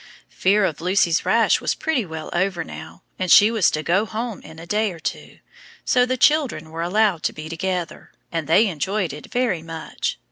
Fear of Lucy's rash was pretty well over now, and she was to go home in a day or two; so the children were allowed to be together, and they enjoyed it very much.